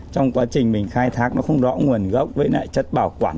trong quá trình mình khai thác nó không rõ nguồn gốc với lại chất bảo quản